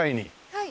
はい。